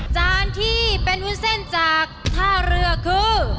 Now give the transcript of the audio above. จานที่เป็นวุ้นเส้นจากท่าเรือคือ